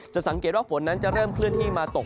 สังเกตว่าฝนนั้นจะเริ่มเคลื่อนที่มาตก